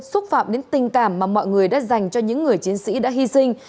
xúc phạm đến tình cảm mà mọi người đã dành cho những người chiến sĩ đã hy sinh